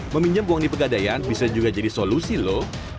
meminjam uang di pegadaian bisa juga jadi solusi lho